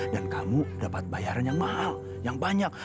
dan kamu dapat bayaran yang mahal yang banyak